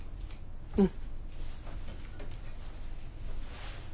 うん。